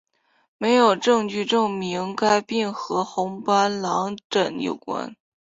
没有证据证明该病和红斑狼疮有关。